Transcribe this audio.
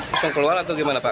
langsung keluar atau gimana pak